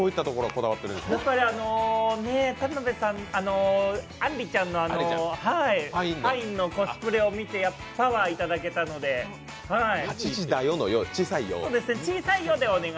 やっぱりあんりちゃんのパインのコスプレを見てパワーをいただけたので、はい。